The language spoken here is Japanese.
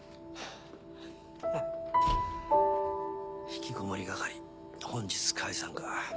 ひきこもり係本日解散か。